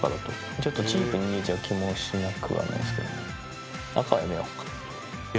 ちょっとチープに見えちゃう気もしなくはないですけどね。